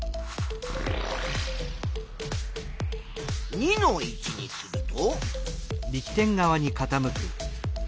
２の位置にすると。